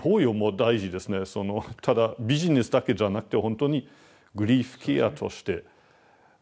ただビジネスだけじゃなくてほんとにグリーフケアとして。